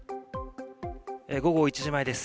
午後１時前です。